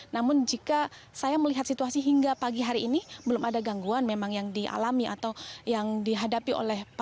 namun jika saya melihat situasi hingga pagi hari ini belum ada gangguan memang yang dialami atau yang dihadapi oleh